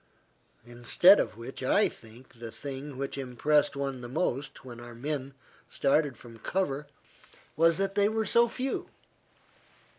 Instead of which I think the thing which impressed one the most, when our men started from cover, was that they were so few.